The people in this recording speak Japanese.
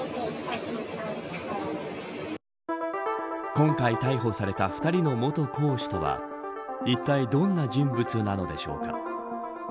今回逮捕された２人の元講師とはいったいどんな人物なのでしょうか。